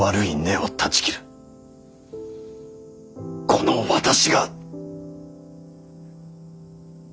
この私が。